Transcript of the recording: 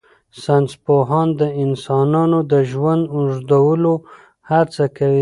ساینس پوهان د انسانانو د ژوند اوږدولو هڅه کوي.